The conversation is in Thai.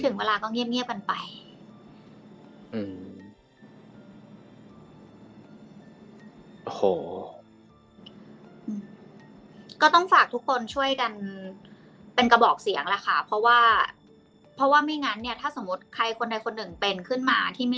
ถึงเวลาก็เงียบเงียบกันไปอืม